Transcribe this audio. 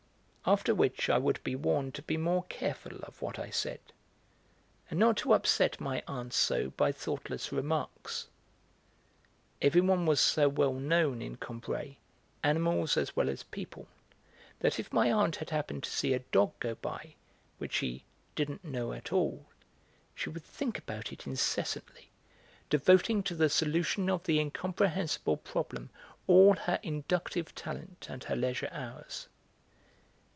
After which I would be warned to be more careful of what I said, and not to upset my aunt so by thoughtless remarks. Everyone was so well known in Combray, animals as well as people, that if my aunt had happened to see a dog go by which she 'didn't know at all' she would think about it incessantly, devoting to the solution of the incomprehensible problem all her inductive talent and her leisure hours.